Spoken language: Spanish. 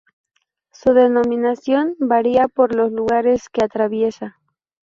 Su denominación varía por los lugares que atraviesa.